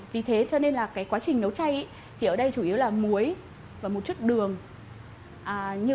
vì thế cho nên là cái quá trình nấu chay thì ở đây chủ yếu là muối và một chút đường như vậy